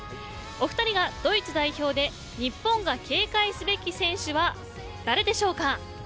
お二人が、ドイツ代表で日本が警戒すべき選手は誰でしょうか。